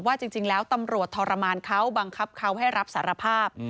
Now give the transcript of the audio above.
จริงแล้วตำรวจทรมานเขาบังคับเขาให้รับสารภาพ